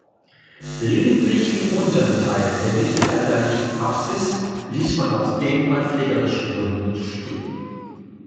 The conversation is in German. Lediglich den unteren Teil der mittelalterlichen Apsis ließ man aus denkmalpflegerischen Gründen stehen.